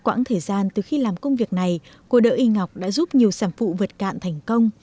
quãng thời gian từ khi làm công việc này cô đỡ y ngọc đã giúp nhiều sản phụ vượt cạn thành công